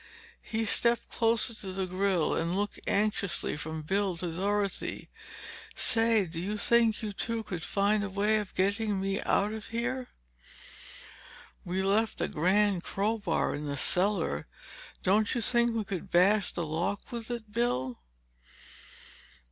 He stepped closer to the grill and looked anxiously from Bill to Dorothy. "Say, do you think you two could find a way of getting me out of here?" "We left a grand crowbar in the cellar! Don't you think we could bash the lock with it, Bill?"